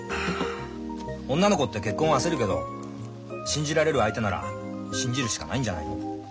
女の子って結婚を焦るけど信じられる相手なら信じるしかないんじゃないの？